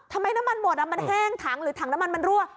น้ำมันหมดมันแห้งถังหรือถังน้ำมันมันรั่ว